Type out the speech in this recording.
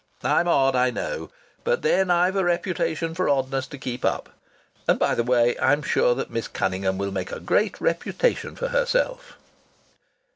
I'm odd, I know. But then I've a reputation for oddness to keep up. And by the way, I'm sure that Miss Cunningham will make a great reputation for herself."